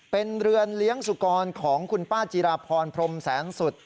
เป็นเรือนเลี้ยงสุกรของคุณป้าจิราพรพรมแสนสุด